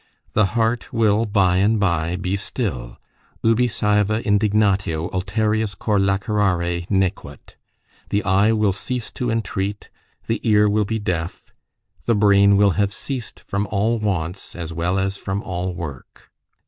The heart will by and by be still "ubi saeva indignatio ulterius cor lacerare nequit"; the eye will cease to entreat; the ear will be deaf; the brain will have ceased from all wants as well as from all work.